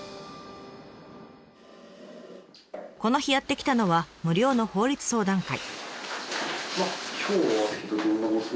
この日やって来たのは無料の法律相談会。